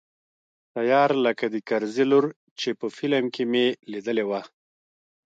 تيار لکه د کرزي لور چې په فلم کښې مې ليدلې وه.